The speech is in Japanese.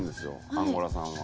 アンゴラさんは。